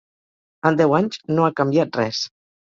En deu anys no ha canviat res.